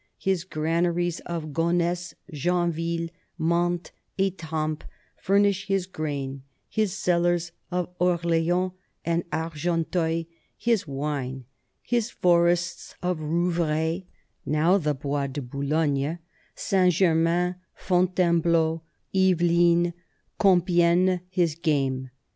His granaries of Gonesse, Janville, Mantes, fitampes, furnish his grain; his cellars of Or leans and Argenteuil, his wine; his forests of Rouvrai (now the Bois de Boulogne), Saint Germain, Fontaine bleau, Iveline, Compiegne, his game.